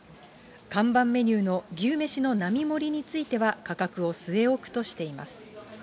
看板メニューの牛めしの並盛については、価格を据え置くとしています。